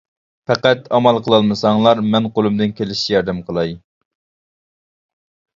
پەقەت ئامال قىلالمىساڭلار مەن قولۇمدىن كېلىشىچە ياردەم قىلاي.